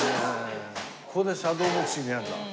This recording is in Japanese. ここでシャドーボクシングやるんだ。